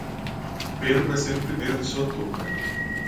Pedro vai ser o primeiro de sua turma.